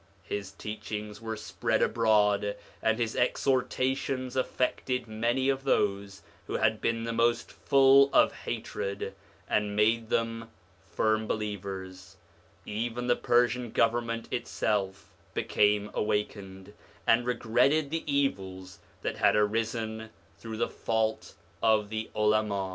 His teachings were spread abroad, and his exhortations affected many of those who had been the most full of hatred, and made them firm believers; even the Persian Government itself became awakened, and re gretted the evils that had arisen through the fault of the Ulama.